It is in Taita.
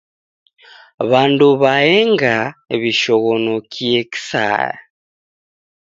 W'andu w'aenga w'ishoghonokie kisaya.